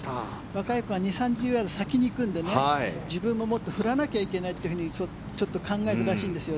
若い子は２０３０ヤード先に行くので自分ももっと振らなきゃいけないというふうにちょっと考えたらしいんですよ。